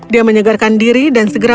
dia menyegarkan diri dan segera pergi ke rumah